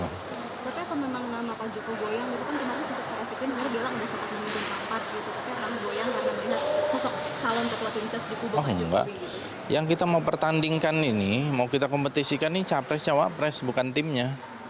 pak joko boyang yang kita mau pertandingkan ini mau kita kompetisikan ini capres cawapres bukan timnya